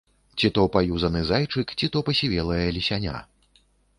Ці то паюзаны зайчык, ці то пасівелае лісяня.